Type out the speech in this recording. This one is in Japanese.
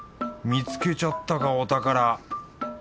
見つけちゃったかお宝！